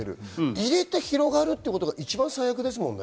入れて広がるということが一番最悪ですよね。